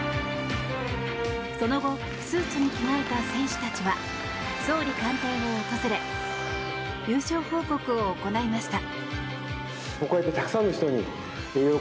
その後スーツに着替えた選手たちは総理官邸を訪れ優勝報告を行いました。